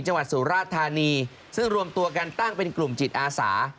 จังหวัดสุราชธานีซึ่งรวมตัวกันตั้งเป็นกลุ่มจิตอาสา